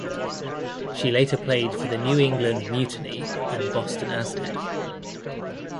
She later played for the New England Mutiny and Boston Aztec.